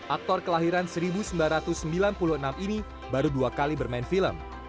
aktor kelahiran seribu sembilan ratus sembilan puluh enam ini baru dua kali bermain film